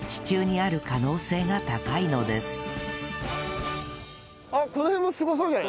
あっこの辺もすごそうじゃない？